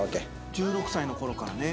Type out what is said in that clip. １６歳の頃からね